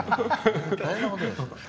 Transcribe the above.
大変なことです。